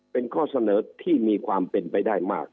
เป็นข้อเสนอที่มีความเป็นไปได้มาก